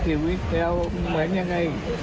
ชีวิตแล้วเหมือนยังไง